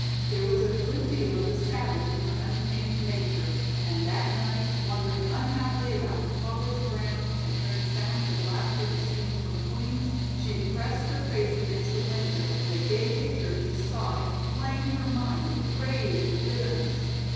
There was a good deal of the savage in her untamed nature, and that night, wandering unhappily about the college grounds and hearing sounds of laughter and singing from Queen's, she pressed her face against the window and the gay picture she saw inflamed her mind with rage and bitterness.